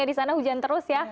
disana hujan terus ya